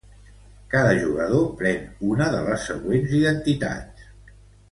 Cada jugador pren una de les següents identitats.